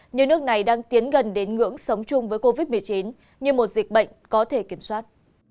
như nước này đang tiến gần đến ngưỡng sống chung với covid một mươi chín như một dịch bệnh có thể kiểm soát